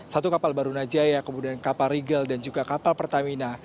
satu kapal barunajaya kemudian kapal rigel dan juga kapal pertamina